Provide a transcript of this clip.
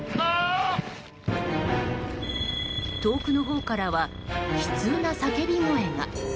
遠くのほうからは悲痛な叫び声が。